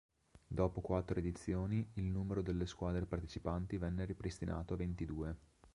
Dopo quattro edizioni, il numero delle squadre partecipanti venne ripristinato a ventidue.